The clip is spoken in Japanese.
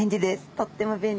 とっても便利です。